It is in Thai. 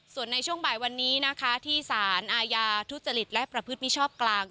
ส่วนในช่วงบ่ายวันนี้นะคะที่สารอาญาทุจริตและประพฤติมิชอบกลาง